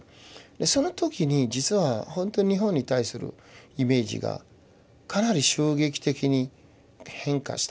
その時に実はほんと日本に対するイメージがかなり衝撃的に変化したんですよね。